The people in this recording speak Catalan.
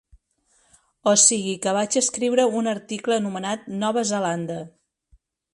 O sigui que vaig escriure un article anomenat "Nova Zelanda".